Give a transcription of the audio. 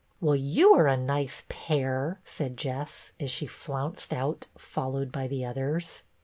" Well, you are a nice pair," said Jess, as she flounced out, followed by the others.